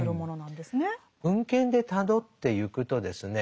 文献でたどってゆくとですね